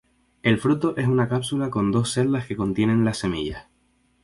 El fruto es una cápsula con dos celdas que contienen las semillas.